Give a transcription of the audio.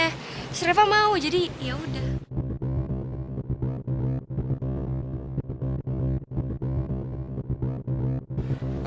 terus reva mau jadi yaudah